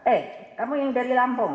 eh kamu yang dari lampung